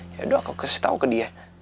yaudah aku kasih tau ke dia